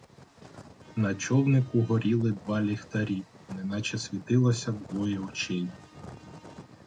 На човнику горіли два ліхтарі, неначе світилося двоє очей.